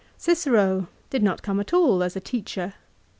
Cicero did not come at all as a teacher.